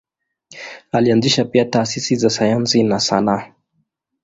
Alianzisha pia taasisi za sayansi na sanaa.